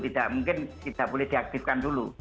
tidak mungkin tidak boleh diaktifkan dulu